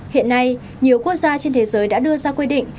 hiện nay nhiều quốc gia trên thế giới đã đưa ra quy định